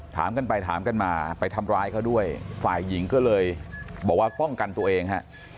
ถามกันไปถามกันมาไปทำร้ายเขาด้วยฝ่ายหญิงก็เลยบอกว่าป้องกันตัวเองฮะ